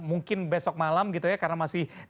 mungkin besok malam gitu ya karena masih